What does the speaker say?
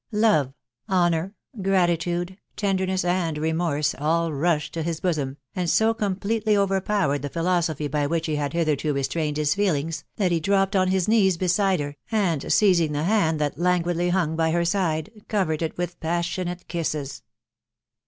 Love, honour, gratitude, tenderness, and leinoisc si rushed to his bosom, and so completely overpowered the phDo» sopby by which he had hitherto restrained his feelings, that he dropped on his knees beside her, and, seizing the hand that languidly hung by her side, covered it with passionate kisses.